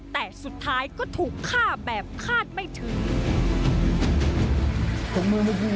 แต่สุดท้ายก็ถูกฆ่าแบบคาดไม่ถึงมือ